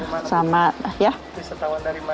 wisatawan dari mana